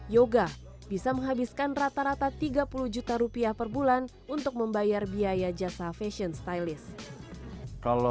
yoga bisa menghabiskan rata rata tiga puluh juta rupiah per bulan untuk membayar biaya jasa fashion stylist